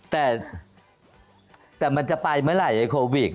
แต่มันจะไปเมื่อไหร่ไอ้โควิด